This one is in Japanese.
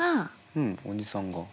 うんおじさんが？